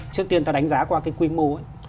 trước tiên ta đánh giá qua cái quy mô ấy